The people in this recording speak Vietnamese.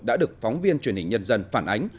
đã được phóng viên truyền hình nhân dân phản ánh